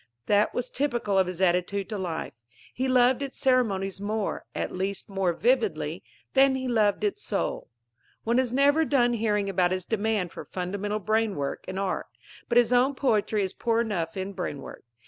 That was typical of his attitude to life. He loved its ceremonies more at least, more vividly than he loved its soul. One is never done hearing about his demand for "fundamental brainwork" in art. But his own poetry is poor enough in brainwork.